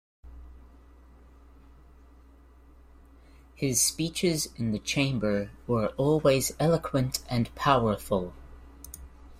His speeches in the chamber were always eloquent and powerful.